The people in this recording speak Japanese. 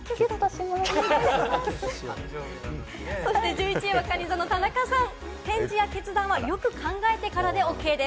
１１位はかに座の田中さん。